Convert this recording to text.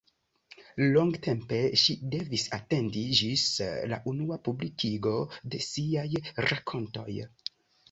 Longtempe ŝi devis atendi ĝis la unua publikigo de siaj rakontoj.